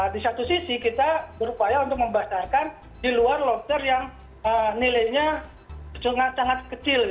di satu sisi kita berupaya untuk membasarkan di luar lobster yang nilainya sangat sangat kecil